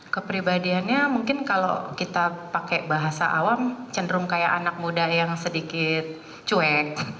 kepribadiannya mungkin kalau kita pakai bahasa awam cenderung kayak anak muda yang sedikit cuek